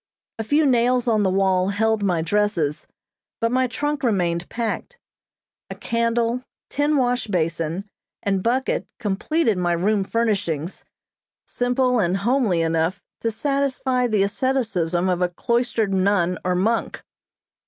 A few nails on the wall held my dresses, but my trunk remained packed. A candle, tin wash basin, and bucket completed my room furnishings, simple and homely enough to satisfy the asceticism of a cloistered nun or monk.